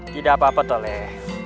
tidak apa apa toleh